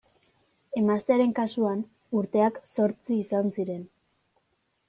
Emaztearen kasuan urteak zortzi izan ziren.